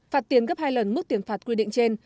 phạt tiền gấp hai lần mức tiền phạt quy định trên